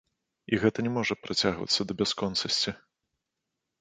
І гэта не можа працягвацца да бясконцасці.